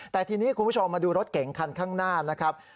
แต่ทีนี้คุณผู้ชมมาดูรถเก๋งคันข้างหน้านะครับ